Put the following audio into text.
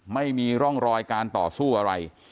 ไม่มีร่องรอยการต่อสู้อะไร